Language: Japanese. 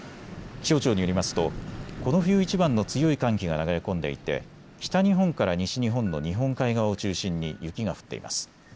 気象庁によりますとこの冬いちばんの強い寒気が流れ込んでいて北日本から西日本の日本海側を中心に雪が降っています。